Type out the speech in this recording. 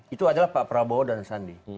itu adalah pak prabowo dan sandi